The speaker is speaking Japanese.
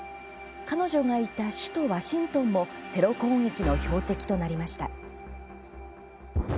彼女がいた首都ワシントンもテロ攻撃の標的となりました。